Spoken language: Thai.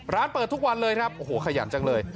เปิดทุกวันเลยครับโอ้โหขยันจังเลย